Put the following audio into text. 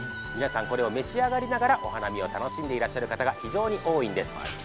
皆さん、これを召し上がりながらお花見を楽しんでらっしゃる方が非常に多いんです。